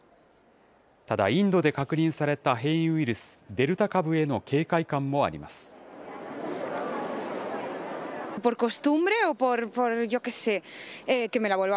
ただ、インドで確認された変異ウイルス、デルタ株への警戒感もあります。